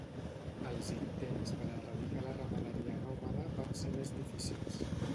Els intents per erradicar la ramaderia nòmada van ser més difícils.